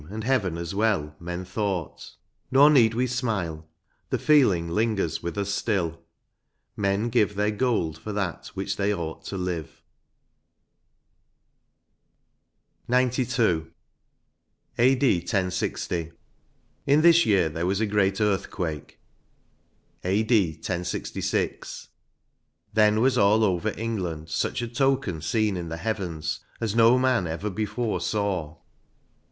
And heaven as well, men thought : nor need we smile; The feeling lingers with us still, — men give Their gold for that for which they ought to live. 184 XOII. '' A.D. 1060. In this year there was a great earth quake. ... A.D. 1066. Then was over all Eng land sQch a token seen in the heavens as no man ever before saw.